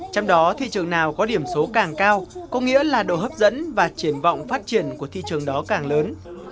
trong đó thị trường nào có điểm số càng cao có nghĩa là độ hấp dẫn và triển vọng phát triển của thị trường đó càng lớn